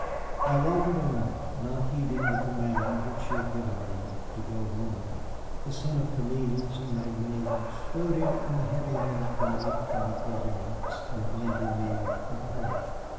I wandered on, not heeding the command which she had given me, to go home. The scent of camellias and magnolias floated on the heavy air of the night from the court yards, reminding me of her.